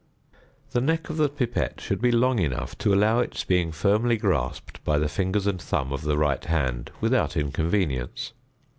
The neck of the pipette should be long enough to allow its being firmly grasped by the fingers and thumb of the right hand without inconvenience.